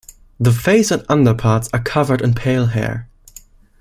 The face and underparts are covered in pale hair.